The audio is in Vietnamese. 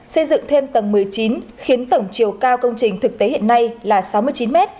xây dựng thêm tầng một mươi chín khiến tổng chiều cao công trình thực tế hiện nay là sáu mươi chín m